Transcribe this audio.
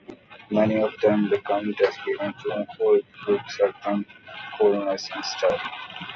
Many of them became delinquents who exuded a certain coolness and style.